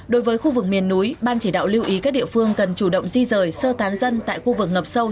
đối với khu vực miền núi ban chỉ đạo lưu ý các địa phương cần chủ động di rời sơ tán dân tại khu vực ngập sâu